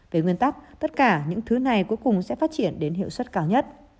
về nguyên tắc tất cả những thứ này cuối cùng sẽ phát triển đến hiệu suất cao nhất